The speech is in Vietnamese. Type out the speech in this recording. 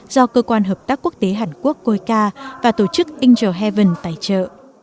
do cơ quan hợp tác quốc tế hàn quốc coica và tổ chức inder heaven tài trợ